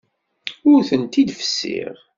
Ur tent-id-fessiɣ.